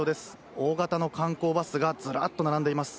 大型の観光バスがずらっと並んでいます。